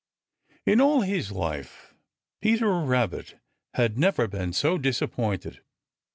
In all his life Peter Rabbit had never been so disappointed.